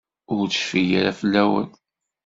Ur tecfi ara fell-awen.